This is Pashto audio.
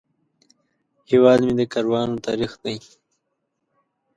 هیواد مې د کاروانو تاریخ دی